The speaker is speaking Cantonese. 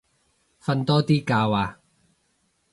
瞓多啲覺啊